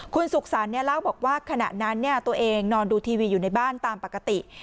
คุณสุขสรรค์เล่าบอกว่าขณะนั้นตัวเองนอนดูทีวีอยู่ในบ้านตามปกติ